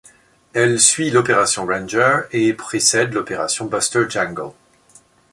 Elle suit l'opération Ranger et précède l'opération Buster-Jangle.